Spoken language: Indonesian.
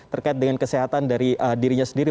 terkait dengan kesehatan dari dirinya sendiri